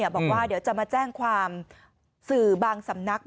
บอกว่าเดี๋ยวจะมาแจ้งความสื่อบางสำนัก